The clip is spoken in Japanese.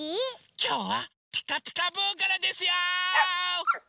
きょうは「ピカピカブ！」からですよ！